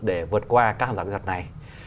để vượt qua các khán giả kỹ thuật này